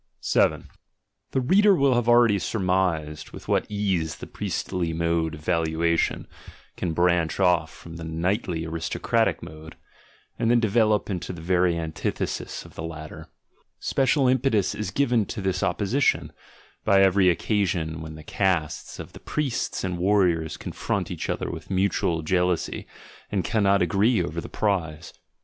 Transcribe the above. The reader will have already surmised with what «iase the priestly mode of valuation can branch off from the knightly aristocratic mode, and then develop into the very antithesis of the latter: special impetus is given to this opposition, by every occasion when the castes of the priests and warriors confront each other with mutual jeal ousy and cannot agree over the prize.